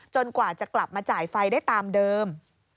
กว่าจะกลับมาจ่ายไฟได้ตามเดิม